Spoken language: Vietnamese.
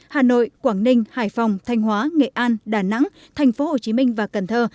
hà nội quảng ninh hải phòng thanh hóa nghệ an đà nẵng tp hcm và cần thơ